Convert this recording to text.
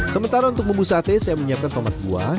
sementara untuk bumbu sate saya menyiapkan tomat buah